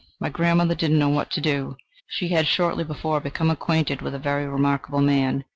My grandmother did not know what to do. She had shortly before become acquainted with a very remarkable man.